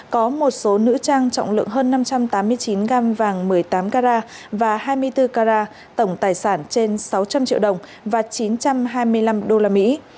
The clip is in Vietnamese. có một số nữ trang trọng lượng hơn năm trăm tám mươi chín gam vàng một mươi tám carat và hai mươi bốn carat tổng tài sản trên sáu trăm linh triệu đồng và chín trăm hai mươi năm đô la mỹ